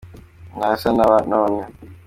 Ntasa n’aba none